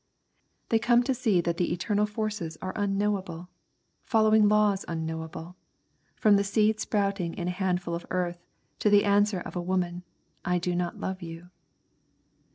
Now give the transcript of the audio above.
They come to see that the eternal forces are unknowable, following laws unknowable, from the seed sprouting in a handful of earth to the answer of a woman, "I do not love you."